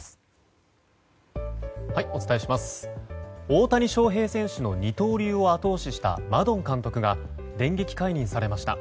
大谷翔平選手の二刀流を後押ししたマドン監督が電撃解任されました。